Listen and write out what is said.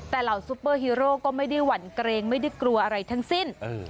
แต่เหล่าซุปเปอร์ฮีโร่ก็ไม่ได้หวั่นเกรงไม่ได้กลัวอะไรทั้งสิ้น